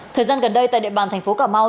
thời gian gần đây tại địa bàn thành phố cà mau